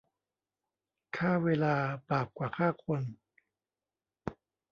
ฆ่าเวลาบาปกว่าฆ่าคน